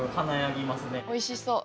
おいしそう。